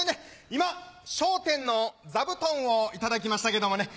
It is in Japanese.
今『笑点』の座布団を頂きましたけどもね。